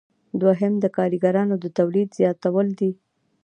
دوهم د کاریګرانو د تولید زیاتول دي.